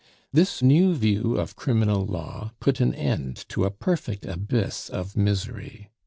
This new view of criminal law put an end to a perfect abyss of misery.